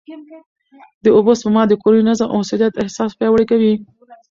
د اوبو سپما د کورني نظم او مسؤلیت احساس پیاوړی کوي.